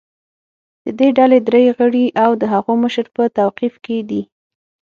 د دې ډلې درې غړي او د هغو مشر په توقیف کې دي